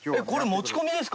持ち込みです。